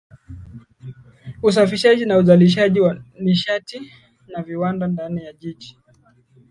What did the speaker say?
usafirishaji uzalishaji wa nishati na viwanda Ndani ya jiji